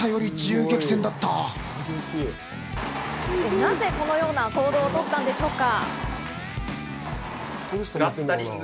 なぜこのような行動をとったんでしょうか？